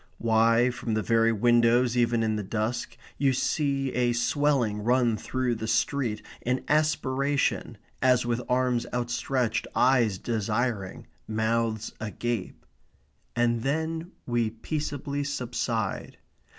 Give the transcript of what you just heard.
Why, from the very windows, even in the dusk, you see a swelling run through the street, an aspiration, as with arms outstretched, eyes desiring, mouths agape. And then we peaceably subside.